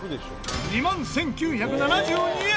２万１９７２円！